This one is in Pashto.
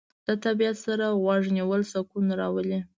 له طبیعت سره غوږ نیول سکون راولي.